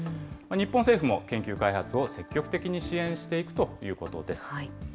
日本政府も研究開発を積極的に支援していくということです。